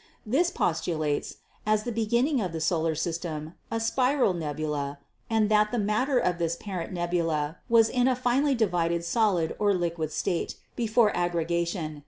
This postulates, as the beginning of the solar system, a spiral nebula, "and that the matter of this parent nebula was in a finely divided solid or liquid state before aggrega tion.